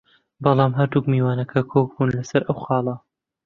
بەڵام هەردوو میوانەکە کۆک بوون لەسەر ئەو خاڵە